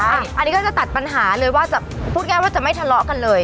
อันนี้ก็จะตัดปัญหาเลยว่าจะพูดง่ายว่าจะไม่ทะเลาะกันเลย